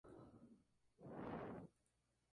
El centro administrativo es la ciudad de Banka.